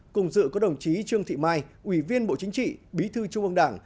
cùng dự có đồng chí trương thị mai ủy viên bộ chính trị bí thư trung ương đảng